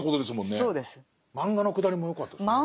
漫画のくだりもよかったですね。